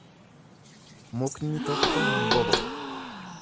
Mukni tokko hin boba'u.